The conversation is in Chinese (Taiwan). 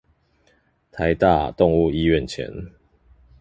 臺大動物醫院前